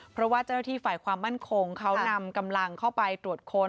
เพราะว่าเจ้าหน้าที่ฝ่ายความมั่นคงเขานำกำลังเข้าไปตรวจค้น